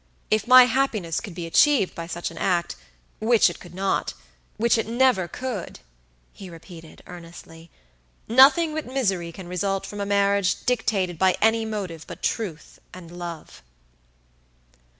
If my happiness could be achieved by such an act, which it could notwhich it never could," he repeated, earnestly"nothing but misery can result from a marriage dictated by any motive but truth and love."